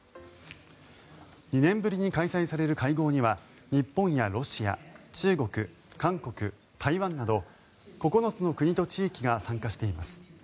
２年ぶりに開催される会合には日本やロシア中国、韓国、台湾など９つの国と地域が参加しています。